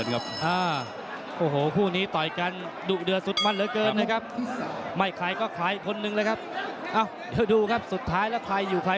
ลูกทดดเลยลูมิตไม่ต้องสอนกันมาเลยอ่ะ